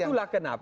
nah itulah kenapa